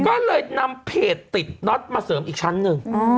ก็เลยนำเพจติดน็อตมาเสริมอีกชั้นหนึ่ง